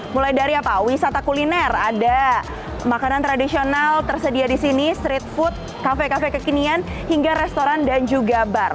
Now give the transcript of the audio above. mulai dari wisata kuliner ada makanan tradisional tersedia di sini street food kafe kafe kekinian hingga restoran dan juga bar